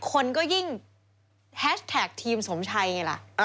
คนก็ยิ่งแฮชแท็กทีมสมชัยอย่างนี้แหละ